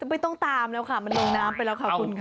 ไม่ต้องตามแล้วค่ะมันลงน้ำไปแล้วค่ะคุณค่ะ